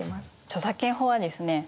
著作権法はですね